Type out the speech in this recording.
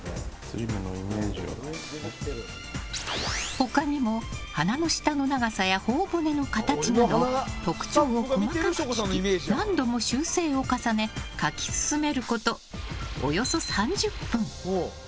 他にも、鼻の下の長さや頬骨の形など特徴を細かく聞き何度も修正を重ね描き進めること、およそ３０分。